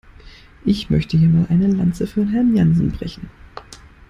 Ich möchte hier mal eine Lanze für Herrn Jansen brechen.